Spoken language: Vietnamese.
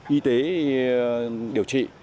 y tế điều trị